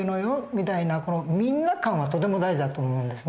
みたいなみんな感はとても大事だと思うんですね。